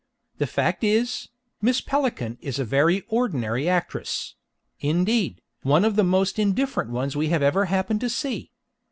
The fact is, Miss Pelican is a very ordinary actress; indeed, one of the most indifferent ones we have ever happened to see.